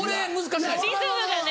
リズムがね。